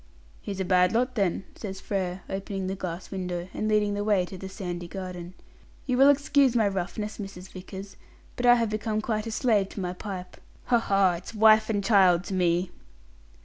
"He's a bad lot, then?" says Frere, opening the glass window, and leading the way to the sandy garden. "You will excuse my roughness, Mrs. Vickers, but I have become quite a slave to my pipe. Ha, ha, it's wife and child to me!"